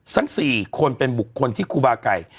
สัก๔คนเป็นบุคคลที่กุบาไก่